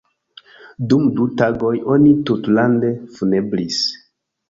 Dum du tagoj oni tutlande funebris.